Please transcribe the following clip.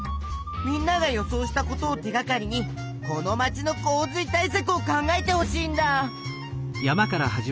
みんなが予想したことを手がかりにこの街の洪水対さくを考えてほしいんだ！